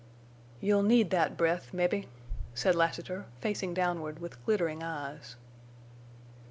"You'll need that breath—mebbe!" said Lassiter, facing downward, with glittering eyes.